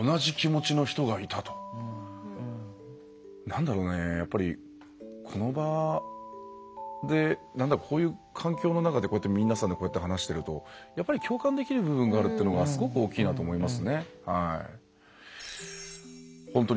なんだろうねやっぱりこの場でこういう環境の中でこうやって皆さんで話してるとやっぱり共感できる部分があるっていうのがすごく大きいなと思いますね。